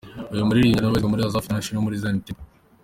Uyu muririmbyi anabarizwa muri Azaph International yo muri Zion Temple.